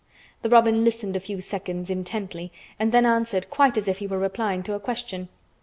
The robin listened a few seconds, intently, and then answered quite as if he were replying to a question.